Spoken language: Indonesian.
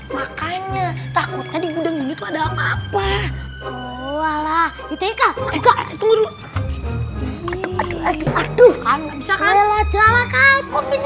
makanya takutnya di gudang ini tuh ada apa apa